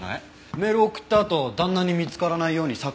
メール送ったあと旦那に見つからないように削除した。